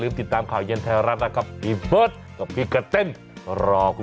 มิติเห็นดีค่ะขอบคุณครับ